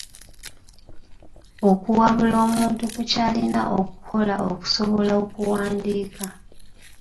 Okuwabula omuntu ku ky'alina okukola okusobola okuwandiika.